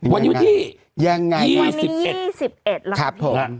วันยุทธ์ที่๒๑ครับผม